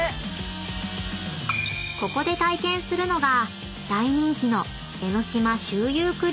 ［ここで体験するのが大人気の］